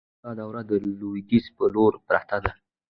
دا دره د لویدیځ په لوري پرته ده،